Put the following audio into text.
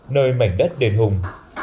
nơi mảnh đất đền hùng